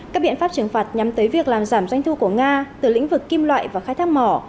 các biện pháp trừng phạt nhằm tới việc làm giảm doanh thu của nga từ lĩnh vực kim loại và khai thác mỏ